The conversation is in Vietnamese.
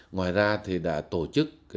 ngoài ra thì đã tổ chức